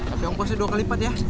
aku yang pasti dua kali empat ya